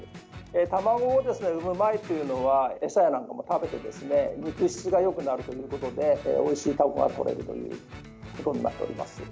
卵を産む前というのは餌やなんかを食べて肉質がよくなるということでおいしいタコが取れるということになっております。